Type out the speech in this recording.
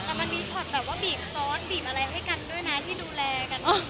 แต่มันมีช็อตแบบว่าบีบซ้อนบีบอะไรให้กันด้วยนะที่ดูแลกัน